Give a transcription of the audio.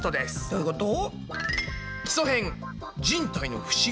どういうこと？